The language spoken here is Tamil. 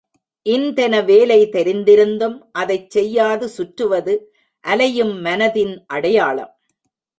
இன்தென வேலை தெரிந்திருந்தும் அதைச் செய்யாது சுற்றுவது அலையும் மனத்தின் அடையாளம்.